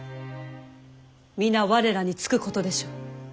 皆我らにつくことでしょう。